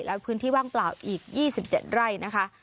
และพื้นที่ว่างเปล่าอีก๒๗ไร่นะคะ